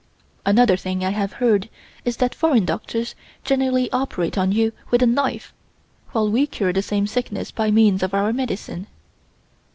Another thing I have heard is that foreign doctors generally operate on you with a knife, while we cure the same sickness by means of our medicine.